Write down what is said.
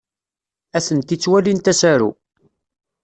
Atenti ttwalint asaru.